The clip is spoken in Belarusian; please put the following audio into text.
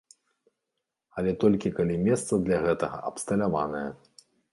Але толькі калі месца для гэтага абсталяванае.